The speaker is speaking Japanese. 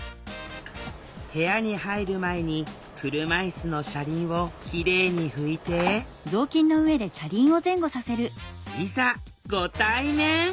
部屋に入る前に車いすの車輪をきれいに拭いていざご対面！